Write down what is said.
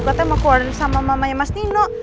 katanya mau keluar sama mamanya mas nino